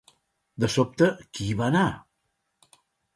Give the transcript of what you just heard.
De sobte, qui hi va anar?